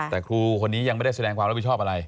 แต่ครูคนนี้ยังไม่ได้แสดงความรับผิดชอบอะไร